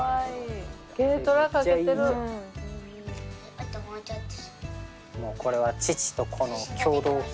あともうちょっと。